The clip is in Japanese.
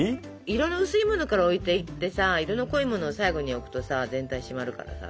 色の薄いものから置いていってさ色の濃いものを最後に置くとさ全体締まるからさ。